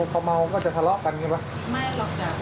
พอเมาก็จะทะเลาะกันอย่างนี้หรือเปล่า